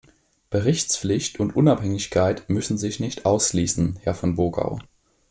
Berichtspflicht und Unabhängigkeit müssen sich nicht ausschließen, Herr von Wogau.